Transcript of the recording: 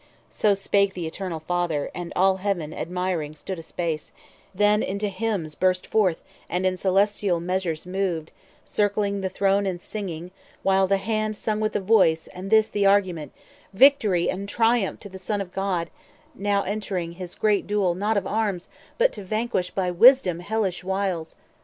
So spake the Eternal Father, and all Heaven Admiring stood a space; then into hymns Burst forth, and in celestial measures moved, 170 Circling the throne and singing, while the hand Sung with the voice, and this the argument:— "Victory and triumph to the Son of God, Now entering his great duel, not of arms, But to vanquish by wisdom hellish wiles!